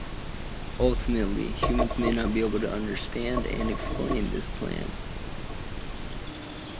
Ultimately humans may not be able to understand and explain this plan.